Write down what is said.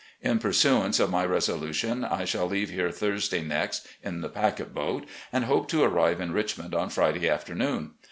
In pursuance of my resolution, I shall leave here Thursday next in the packet boat, and hope to arrive in Richmond on Friday afternoon.